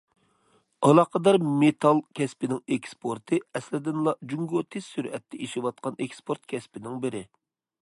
ئالاقىدار مېتال كەسپىنىڭ ئېكسپورتى ئەسلىدىنلا جۇڭگو تېز سۈرئەتتە ئېشىۋاتقان ئېكسپورت كەسپىنىڭ بىرى.